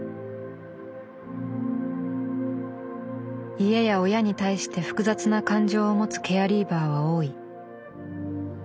家や親に対して複雑な感情を持つケアリーバーは多い。